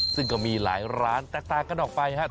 ซึ่งก็มีหลายร้านแตกต่างกันออกไปครับ